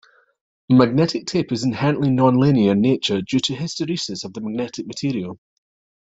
Magnetic tape is inherently non-linear in nature due to hysteresis of the magnetic material.